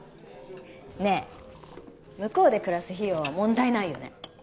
ねえ向こうで暮らす費用は問題ないよね？